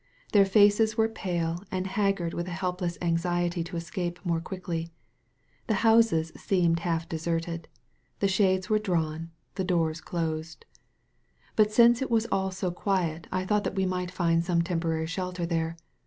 Their faces were pale and haggard with a helpless anxiety to escape more quickly. The houses seemed half deserted. The shades were drawn, the doors closed. But since it was aQ so quiet, I thought that we might jSnd some temporary shelter there.